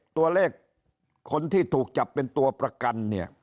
ตัวเลขคนที่ถูกจับเป็นตัวประกันเนี่ย